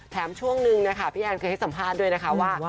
ช่วงนึงนะคะพี่แอนเคยให้สัมภาษณ์ด้วยนะคะว่า